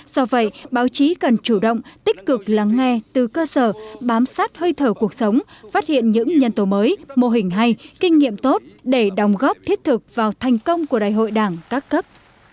do vậy báo chí cần chủ động tích cực lắng nghe từ cơ sở bám sát hơi thở cuộc sống phát hiện những nhân tố mới mô hình hay kinh nghiệm tốt để đồng góp thiết thực vào thành công của đại hội đảng các cấp